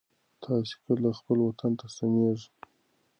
تاسې کله خپل وطن ته ستنېږئ؟